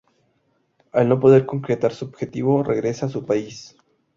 Al no poder concretar su objetivo, regresa a su país.